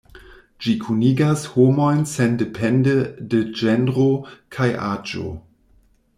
Ĝi kunigas homojn sendepende de ĝenro kaj aĝo.